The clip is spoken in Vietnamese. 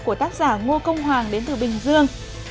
của tác giả ngo công hoàng đến từ bình dương